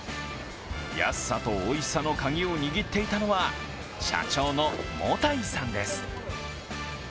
安さとおいしさのカギを握っていたのは社長の茂田井さんです。